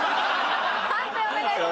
判定お願いします。